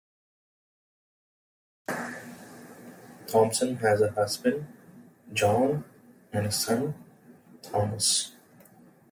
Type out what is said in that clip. Thompson has a husband, John, and a son, Thomas.